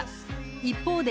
一方で。